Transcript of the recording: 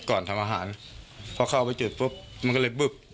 ก่อนทำอาหารเพราะเข้าไปจิบมันก็เลยปึ๊บ